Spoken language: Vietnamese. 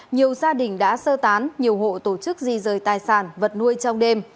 nhiều gia đình đã sơ tán nhiều hộ tổ chức di rời tài sản vật nuôi trong đêm